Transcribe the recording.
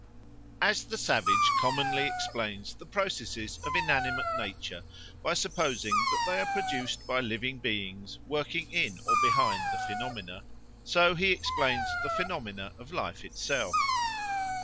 As the savage commonly explains the processes of inanimate nature by supposing that they are produced by living beings working in or behind the phenomena, so he explains the phenomena of life itself.